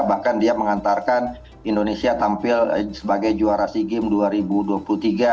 bahkan dia mengantarkan indonesia tampil sebagai juara sea games dua ribu dua puluh tiga